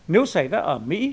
nếu xảy ra ở mỹ